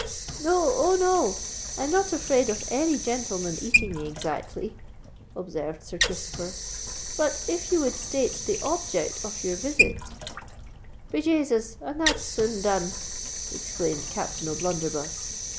"No—oh! no! I'm not afraid of any gentleman eating me, exactly," observed Sir Christopher. "But if you would state the object of your visit——" "Be Jasus! and that's soon done!" exclaimed Captain O'Blunderbuss.